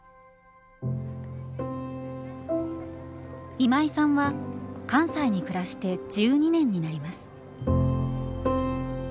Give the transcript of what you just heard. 今井さんは関西に暮らして１２年になります。